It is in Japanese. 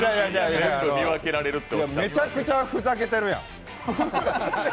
めちゃくちゃ、ふざけてるやん。